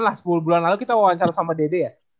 nah sepuluh bulan lalu kita wawancara sama dede ya